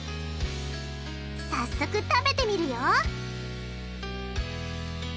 早速食べてみるよ！